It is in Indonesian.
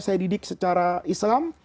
saya didik secara islam